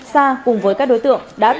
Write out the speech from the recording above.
sa cùng với các đối tượng đã tổ chức